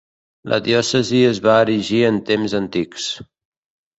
La diòcesi es va erigir en temps antics.